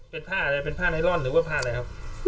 เป็นผ้าอะไรเป็นผ้าไนลอนหรือว่าผ้าอะไรครับ